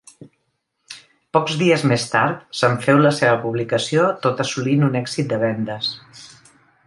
Pocs dies més tard, se'n féu la seva publicació tot assolint un èxit de vendes.